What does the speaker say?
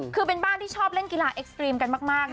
คือเป็นบ้านที่ชอบเล่นกีฬาเอ็กซ์ตรีมกันมาก